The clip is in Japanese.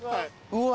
うわ。